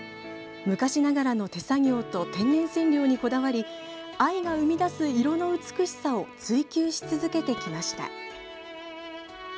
昔ながらの手作業と天然染料にこだわり藍が生み出す色の美しさを追求し続けてきました。